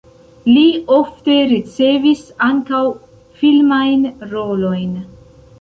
Li ofte ricevis ankaŭ filmajn rolojn.